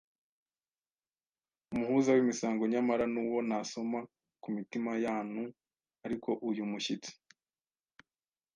Umuhuza w’imisango: Nyamara nuwo ntasoma ku mitima y’antu ariko uyu mushyitsi